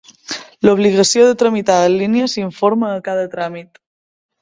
L'obligació de tramitar en línia s'informa en cada tràmit.